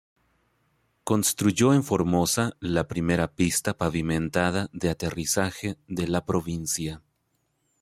Construyó en Formosa la primera pista pavimentada de aterrizaje de la provincia.